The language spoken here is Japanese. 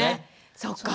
そっか。